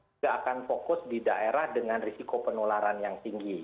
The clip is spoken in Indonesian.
juga akan fokus di daerah dengan risiko penularan yang tinggi